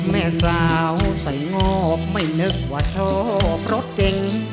แม่สาวใส่งอกไม่นึกว่าชอบรถเก่ง